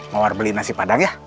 mau warbeli nasi padang ya